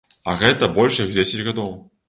А гэта больш як дзесяць гадоў.